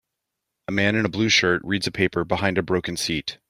A man in a blue shirt reads a paper behind a broken seat.